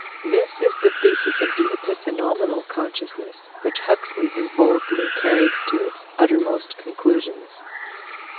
This is the thesis of the epiphenomenal consciousness which Huxley has boldly carried to its uttermost conclusions.